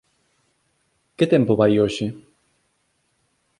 Que tempo vai hoxe?